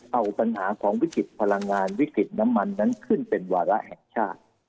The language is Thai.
เอาปัญหาของวิกฤตพลังงานวิกฤตน้ำมันนั้นขึ้นเป็นวาระแห่งชาติ